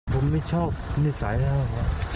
ผมไม่ชอบนิสัยนะครับ